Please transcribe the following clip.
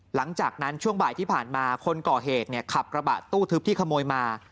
หลังจากนั้นช่วงบ่ายที่ผ่านมาคนก่อเหตุขับกระบะตู้ทึบที่ขโมยมา